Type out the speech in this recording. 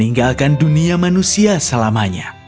tinggalkan dunia manusia selamanya